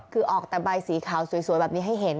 คือออกแต่ใบสีขาวสวยแบบนี้ให้เห็น